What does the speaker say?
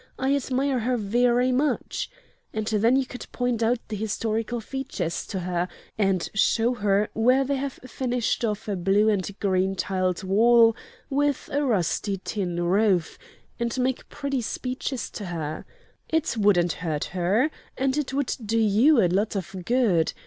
I admire her very much,' and then you could point out the historical features to her, and show her where they have finished off a blue and green tiled wall with a rusty tin roof, and make pretty speeches to her. It wouldn't hurt her, and it would do you a lot of good.